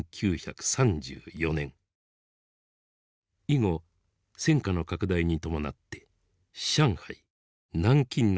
以後戦火の拡大に伴って上海南京などに従軍。